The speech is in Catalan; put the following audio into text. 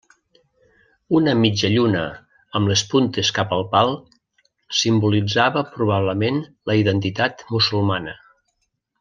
Una mitja lluna amb les puntes cap al pal simbolitzava probablement la identitat musulmana.